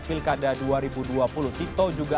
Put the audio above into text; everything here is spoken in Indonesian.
pilkada dua ribu dua puluh tito juga